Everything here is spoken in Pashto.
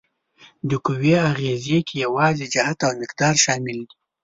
د قوې اغیزې کې یوازې جهت او مقدار شامل دي؟